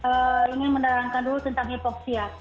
apa yang saya ingin menerangkan dulu tentang hypoxia